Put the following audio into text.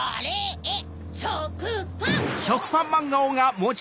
えっ？